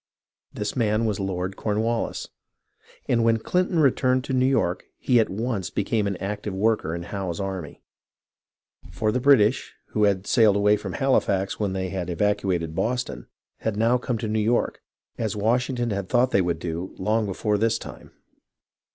This man was Lord CornwalHs, and when Clinton returned to New York, he at once became an active worker in Howe's army. For the British, who had sailed away for Halifax when they had evacuated Boston, had now come to New York, as Washington had thought they would do long before this time.